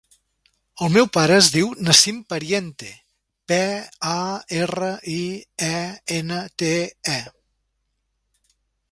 El meu pare es diu Nassim Pariente: pe, a, erra, i, e, ena, te, e.